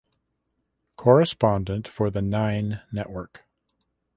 Correspondent for the Nine Network.